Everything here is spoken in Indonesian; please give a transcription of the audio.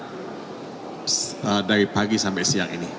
jadi penjelasan yang kami tampilkan dari pagi sampai siang ini